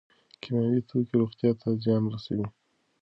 کیمیاوي توکي روغتیا ته زیان رسوي.